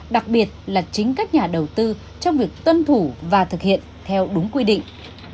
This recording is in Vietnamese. đặc biệt là chính các nhà đầu tư trong việc tuân thủ và thực hiện theo đúng quy định